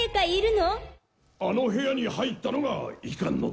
あの部屋に入ったのがいかんのだ。